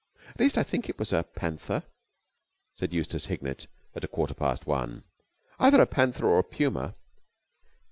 "At least I think it was a panther," said Eustace Hignett, at a quarter past one. "Either a panther or a puma."